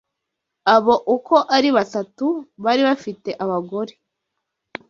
Abo uko ari batatu bari bafite abagore